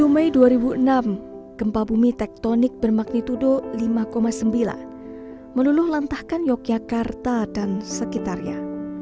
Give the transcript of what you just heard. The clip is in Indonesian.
dua puluh mei dua ribu enam gempa bumi tektonik bermagnitudo lima sembilan meluluh lantahkan yogyakarta dan sekitarnya